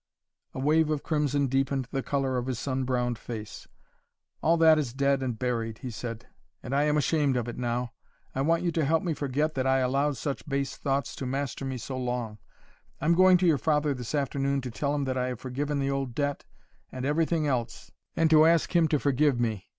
A wave of crimson deepened the color of his sunbrowned face. "All that is dead and buried," he said, "and I am ashamed of it, now. I want you to help me forget that I allowed such base thoughts to master me so long. I'm going to your father this afternoon to tell him that I have forgiven the old debt, and everything else, and to ask him to forgive me.